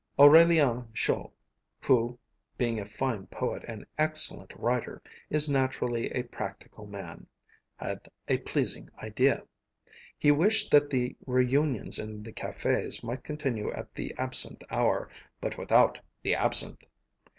Aurélien Scholl, who, being a fine poet and excellent writer, is naturally a practical man, had a pleasing idea. He wished that the reunions in the cafés might continue at the absinthe hour, but without the absinthe!